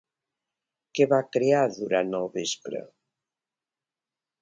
Què va crear, durant el vespre?